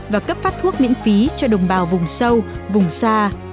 và cấp phát thuốc miễn phí cho đồng bào vùng sâu vùng xa